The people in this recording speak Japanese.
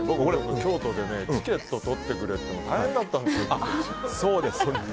京都でチケット取ってくれって大変だったんですよ。